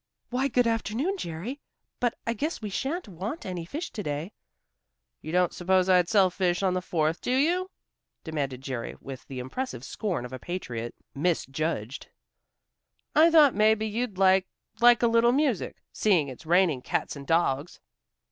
"Why, good afternoon, Jerry. But I guess we shan't want any fish to day." "You don't suppose I'd sell fish on the Fourth, do you?" demanded Jerry with the impressive scorn of a patriot misjudged. "I thought maybe you'd like like a little music, seeing it's raining cats and dogs."